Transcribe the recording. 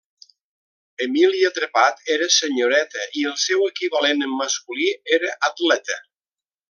Emília Trepat era senyoreta i el seu equivalent en masculí era atleta.